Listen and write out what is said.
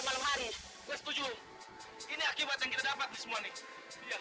sampai jumpa di video selanjutnya